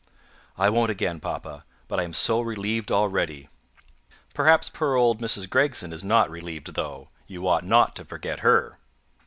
"I won't again, papa. But I am so relieved already." "Perhaps poor old Mrs. Gregson is not relieved, though. You ought not to forget her."